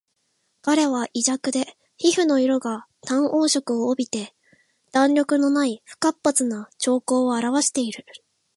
彼は胃弱で皮膚の色が淡黄色を帯びて弾力のない不活発な徴候をあらわしている